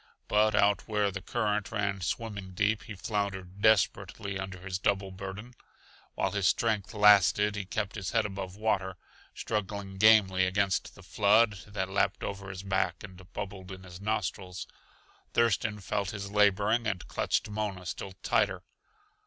But out where the current ran swimming deep he floundered desperately under his double burden. While his strength lasted he kept his head above water, struggling gamely against the flood that lapped over his back and bubbled in his nostrils. Thurston felt his laboring and clutched Mona still tighter.